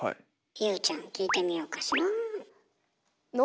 優ちゃん聞いてみようかしら。